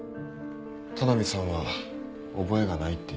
田波さんは覚えがないって言ってる。